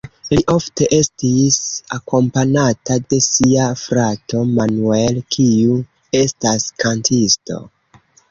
Li ofte estis akompanata de sia frato Manuel, kiu estas kantisto.